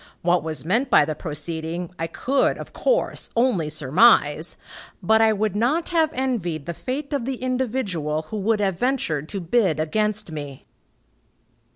What was meant by the proceeding, I could, of course, only surmise, but I would not have envied the fate of the individual who would have ventured to bid against me."